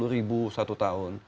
dua puluh ribu satu tahun